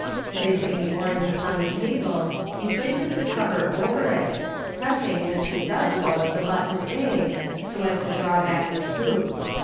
Placing the orange upon the table, he places the cover over it, pressing, as he does so, the button a, so as to draw back the scoop.